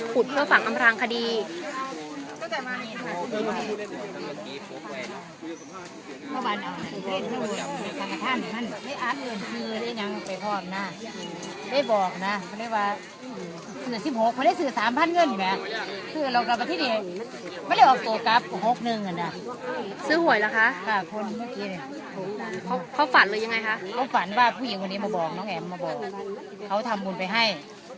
พูดเพื่อฝากอำารางคดี